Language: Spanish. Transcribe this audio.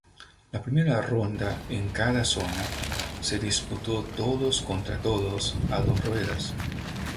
La primera ronda en cada zona, se disputó todos contra todos a dos ruedas.